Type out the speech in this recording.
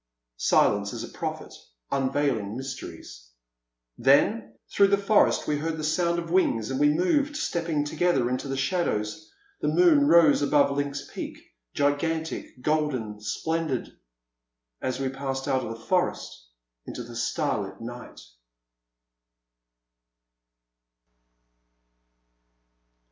Silence is a Prophet, unveiling mysteries. Then, through the forest, we heard the sound of wings, and as we moved, stepping together into the shadows, the moon rose above Lynx Peak, gigantic, golden, splendid. So we passed out of the forest into the star lit night.